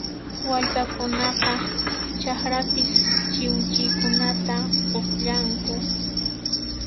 Wallpakunaqa chakrapis chiwchinkunata uqllanku